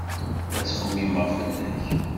La ttxemmimeɣ fell-ak.